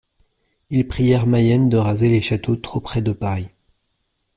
Ils prièrent Mayenne de raser les châteaux trop près de Paris.